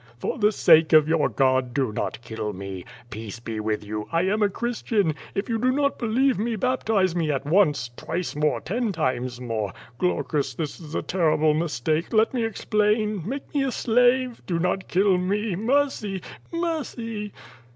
"For the sake of vour God, do not kill me! Peace ])e with you! I am a Christian. U you do not believe me baptise me at once, twice more, ten times more. Glaucus, this is a ter i94 0^0 VADIS. rible mistake. Let me explain. Make me a slave. Do not kill me. Mercy! mercy!"